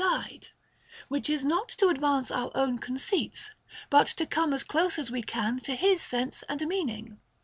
329 guide, — which is not to advance our own conceits, but to come as close as we can to his sense and meaning.